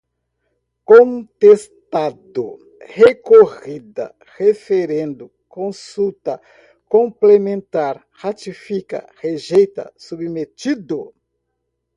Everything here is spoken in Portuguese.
contestado, recorrida, referendo, consulta, complementar, ratifica, rejeita, submetido